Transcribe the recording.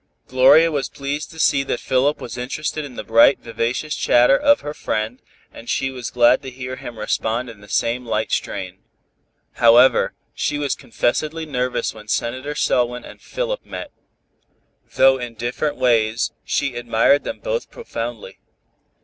Gloria was pleased to see that Philip was interested in the bright, vivacious chatter of her friend, and she was glad to hear him respond in the same light strain. However, she was confessedly nervous when Senator Selwyn and Philip met. Though in different ways, she admired them both profoundly.